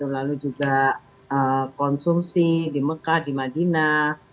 lalu juga konsumsi di mekah di madinah